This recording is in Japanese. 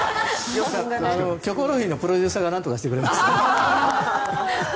「キョコロヒー」のプロデューサーが何とかしてくれますよ。